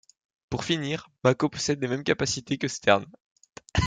Pour finir, Mako possède les mêmes capacités que Stern.